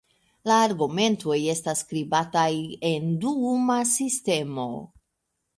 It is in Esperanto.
La argumentoj estas skribataj en duuma sistemo.